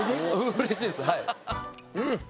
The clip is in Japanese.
うれしいです！